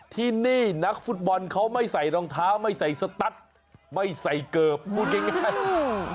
ที่นี่นักฟุตบอลเขาไม่ใส่รองเท้าไม่ใส่สตัสไม่ใส่เกิบพูดง่ายง่ายอืม